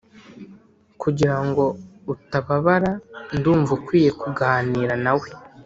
kugirango utababara ndumva ukwiye kuganira nawe